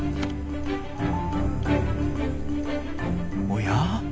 おや？